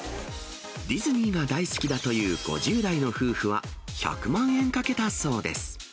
ディズニーが大好きだという５０代の夫婦は、１００万円かけたそうです。